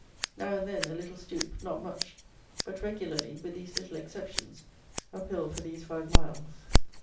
Now and then a little stoop; not much; but regularly, with these little exceptions, up hill for these five miles.